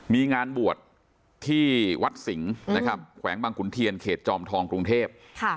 มีงานบวชที่วัดสิงห์นะครับแขวงบางขุนเทียนเขตจอมทองกรุงเทพ